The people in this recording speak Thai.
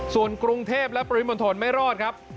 ส่วนกรุงเทพและปริมณฑลไม่รอดครับ